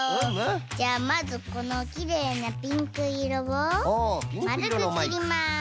じゃあまずこのきれいなピンクいろをまるくきります。